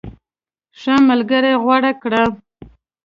ښه ملګری غوره کړه.